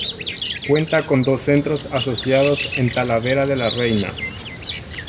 Cuenta con dos centros asociados en Talavera de la Reina.